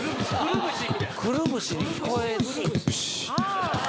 「くるぶし」に聞こえる。